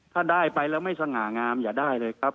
ถ้าได้ไปแล้วไม่สง่างามอย่าได้เลยครับ